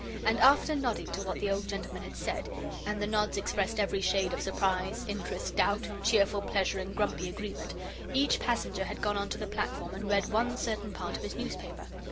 And after nodding to what the old gentleman had said and the nods expressed every shade of surprise, interest, doubt, cheerful pleasure, and grumpy agreement each passenger had gone on to the platform and read one certain part of his newspaper.